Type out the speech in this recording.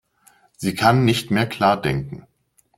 Sie kann nicht mehr klar denken.